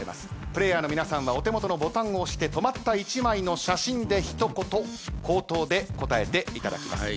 プレーヤーの皆さんはお手元のボタンを押して止まった１枚の写真で一言口頭で答えていただきます。